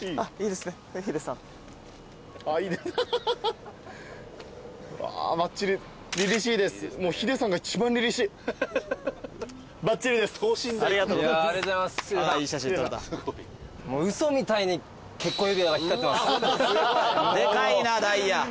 でかいなダイヤ。